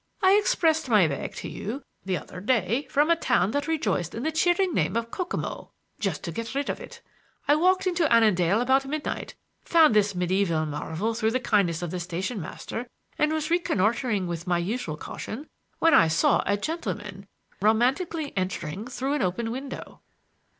I expressed my bag to you the other day from a town that rejoiced in the cheering name of Kokomo, just to get rid of it. I walked into Annandale about midnight, found this medieval marvel through the kindness of the station master and was reconnoitering with my usual caution when I saw a gentleman romantically entering through an open window."